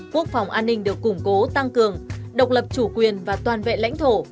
quốc phòng an ninh được củng cố tăng cường độc lập chủ quyền và toàn vẹn lãnh thổ